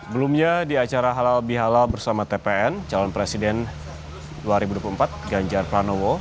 belumnya di acara halal bihalal bersama tpn calon presiden dua ribu dua puluh empat ganjar pranowo